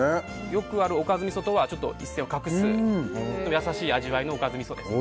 よくあるおかずみそとは一線を画す優しい味わいのおかずみそです。